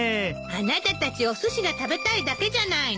あなたたちおすしが食べたいだけじゃないの？